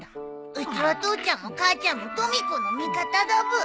うちは父ちゃんも母ちゃんもとみ子の味方だブー。